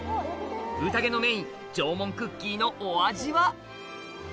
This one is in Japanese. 宴のメイン縄文クッキーのお味は？